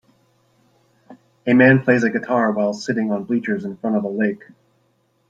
A man plays a guitar while sitting on bleachers in front of a lake.